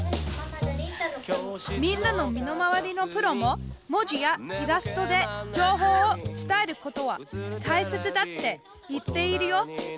みんなの身の回りのプロも文字やイラストで情報を伝えることはたいせつだって言っているよ。